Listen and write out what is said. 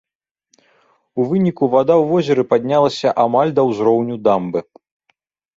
У выніку вада ў возеры паднялася амаль да ўзроўню дамбы.